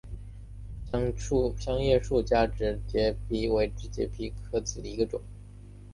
香叶树加植节蜱为节蜱科子加植节蜱属下的一个种。